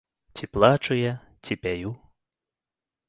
Ці плачу я, ці пяю?